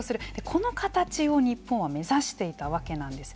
この形を日本は目指していたわけなんです。